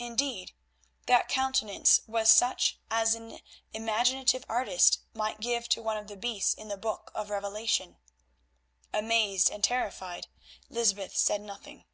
Indeed, that countenance was such as an imaginative artist might give to one of the beasts in the Book of Revelation. Amazed and terrified, Lysbeth said nothing.